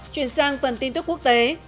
truyền sang phần tin tức quốc tế